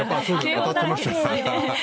当たってましたか。